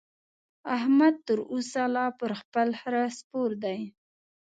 احمد تر اوسه لا پر خپل خره سپور دی.